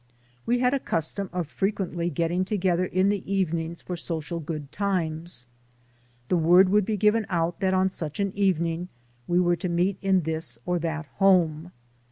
We had a custom of fre quently getting together in the evenings for social good times. The word would be given out that on such an evening we were to meet in this or that home.